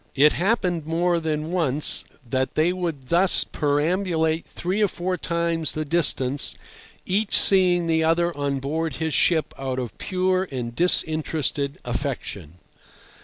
It happened more than once that they would thus perambulate three or four times the distance, each seeing the other on board his ship out of pure and disinterested affection.